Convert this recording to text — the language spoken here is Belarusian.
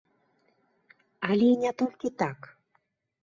Але і не толькі так.